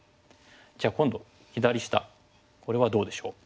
じゃあ今度左下これはどうでしょう？